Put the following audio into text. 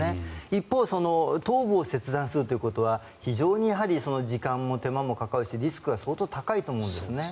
一方頭部を切断するということは非常に時間も手間もかかるしリスクが相当高いと思うんですね。